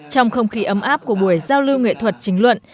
trong không khí ấm áp của buổi giao lưu nghệ thuật chính luận